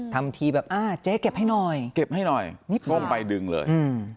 ทำทีแบบอ้าวเจ๊เก็บให้หน่อยเก็บให้หน่อย